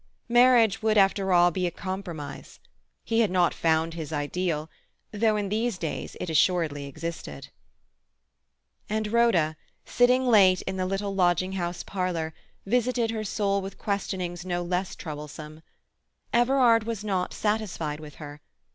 Marriage would after all be a compromise. He had not found his ideal—though in these days it assuredly existed. And Rhoda, sitting late in the little lodging house parlour, visited her soul with questionings no less troublesome. Everard was not satisfied with her.